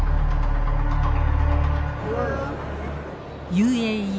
ＵＡＥ